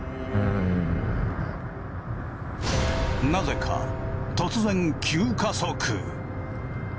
なぜか突然急加速。